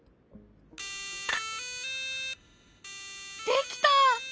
できた！